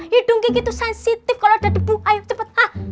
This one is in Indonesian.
hidung kiki tuh sensitif kalau ada debu ayo cepet hah